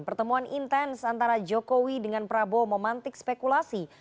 pertemuan intens antara jokowi dengan prabowo memantik spekulasi